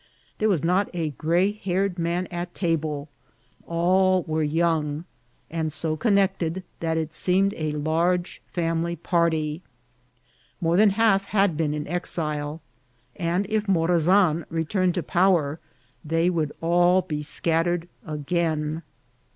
There was not a gray haired man at table ; allwer^ young, and so connected that it seemed a large family party ; more than half had been in exile, and if Mora* zan returned to power they would all be scattered again.